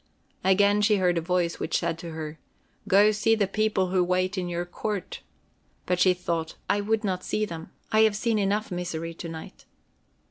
Again she heard a voice, which said to her: "Go see the people who wait in your court!" But she thought: "I would not see them. I have seen enough misery to night."